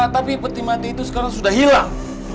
tapi peti mati itu sekarang sudah hilang